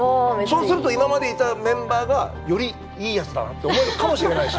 そうすると今までいたメンバーがよりいいやつだなって思えるかもしれないし。